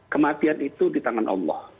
kematian itu di tangan allah